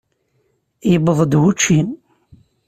Yewweḍ-d wučči.